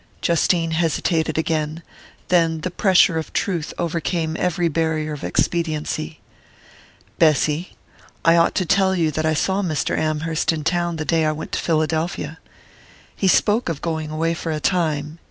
Justine hesitated again; then the pressure of truth overcame every barrier of expediency. "Bessy I ought to tell you that I saw Mr. Amherst in town the day I went to Philadelphia. He spoke of going away for a time...